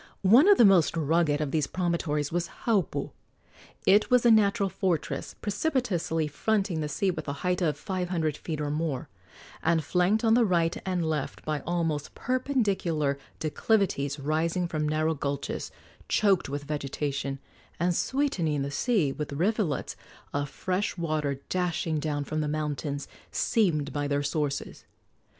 One of the most rugged of these promontories was Haupu. It was a natural fortress, precipitously fronting the sea with a height of five hundred feet or more, and flanked on the right and left by almost perpendicular declivities rising from narrow gulches choked with vegetation and sweetening the sea with rivulets of fresh water dashing down from the mountains seamed by their sources.